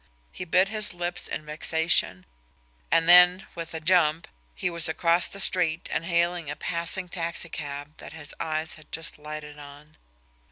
He bit his lips in vexation and then with a jump he was across the street and hailing a passing taxicab that his eyes had just lighted on.